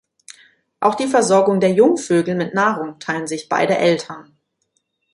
Auch die Versorgung der Jungvögel mit Nahrung teilen sich beide Eltern.